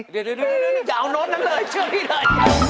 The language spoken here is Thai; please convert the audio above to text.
เดี๋ยวอย่าเอาโน้ตนั้นเลยเชื่อพี่เลย